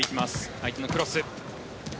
相手のクロス。